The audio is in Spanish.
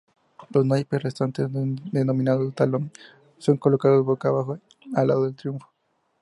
Los naipes restantes, denominados "talon", son colocados boca abajo al lado del triunfo.